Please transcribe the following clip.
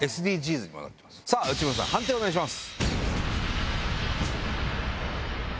内村さん判定お願いします。